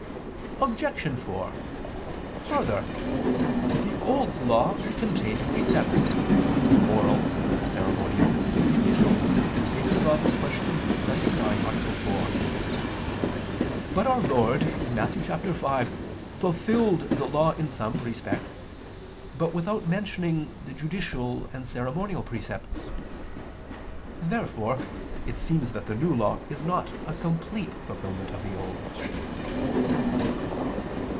Obj. 4: Further, the Old Law contained precepts, moral, ceremonial, and judicial, as stated above (Q. 99, A. 4). But Our Lord (Matt. 5) fulfilled the Law in some respects, but without mentioning the judicial and ceremonial precepts. Therefore it seems that the New Law is not a complete fulfilment of the Old.